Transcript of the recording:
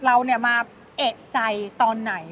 เราเนี่ยมาเะใจตอนไหน